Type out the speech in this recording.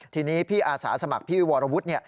ทีนี้พี่อาสาสมัครพี่วรวุฒิ